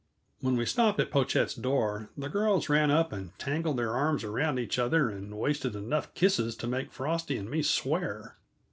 When we stopped at Pochette's door the girls ran up and tangled their arms around each other and wasted enough kisses to make Frosty and me swear.